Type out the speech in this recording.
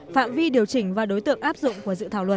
phạm vi điều chỉnh và đối tượng áp dụng của dự thảo luật